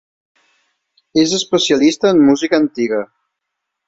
És especialista en música antiga.